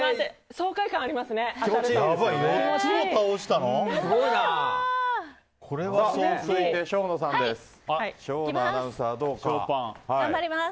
爽快感ありますね。